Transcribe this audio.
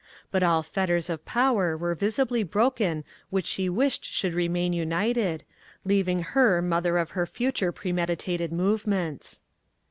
But all fetters of power were visibly broken which she wished should remain united, leaving her mother of her future premeditated movements.